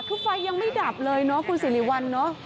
คือไฟยังไม่ดับเลยเนาะคุณสิริวัลเนอะ